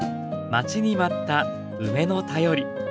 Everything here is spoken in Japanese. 待ちに待った梅の便り。